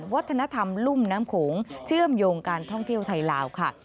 วัฒนธรรมลุ่มน้ำโขงเชื่อมโยงการท่องเที่ยวไทยลาวค่ะ